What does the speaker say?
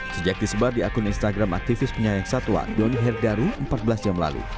sejak disebar di akun instagram aktivis penyayang satwa doni herdaru empat belas jam lalu